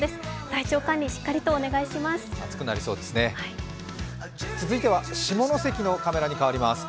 体調管理しっかりとお願いします。